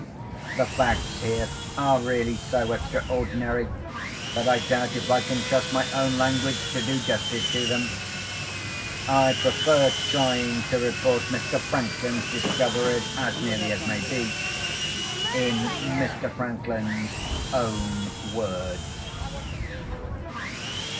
The facts here are really so extraordinary, that I doubt if I can trust my own language to do justice to them. I prefer trying to report Mr. Franklin's discoveries, as nearly as may be, in Mr. Franklin's own words.